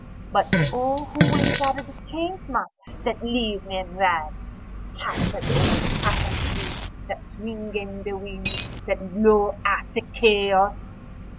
(But O who will shatter the Change Moth that leaves me in rags—tattered old tapestries that swing in the winds that blow out of Chaos!)